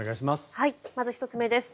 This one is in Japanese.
まず１つ目です。